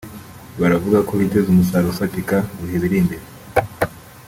baravuga ko biteze umusaruro ufatika mu bihe biri imbere